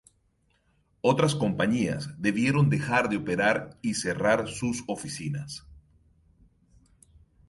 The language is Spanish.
Otras compañías debieron dejar de operar y cerrar sus oficinas.